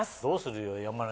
どうするよ？